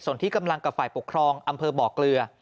ส่วนที่กำลังกับฝ่ายปกครองอำเภอบ่อเกลือ